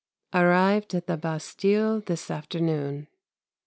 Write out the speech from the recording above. Arrived at the Bastille this afternoon.